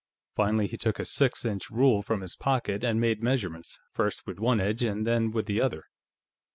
Finally, he took a six inch rule from his pocket and made measurements, first with one edge and then with the other.